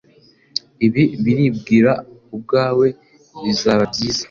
Ibi biribwira ubwawe Bizaba byiza